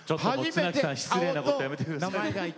綱木さん失礼なことやめてください。